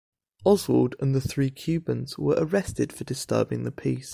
Oswald and the three Cubans were arrested for disturbing the peace.